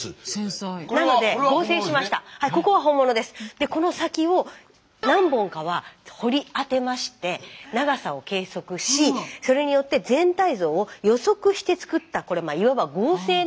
でこの先を何本かは掘り当てまして長さを計測しそれによって全体像を予測して作ったいわば合成の写真です。